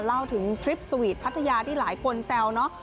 เล่าถึงทริปสวีทพัทยาที่หลายคนแซวเนอะ